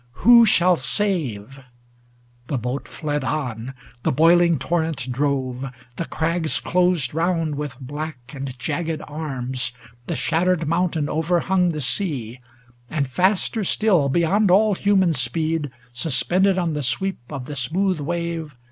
ŌĆö Who shall save ? ŌĆö The boat fled on, ŌĆö the boiling torrent drove, ŌĆö The crags closed round with black and jagged arms, 359 The shattered mountain overhung the sea, And faster still, beyond all human speed, Suspended on the sweep of the smooth wave.